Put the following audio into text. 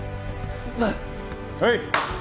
はい！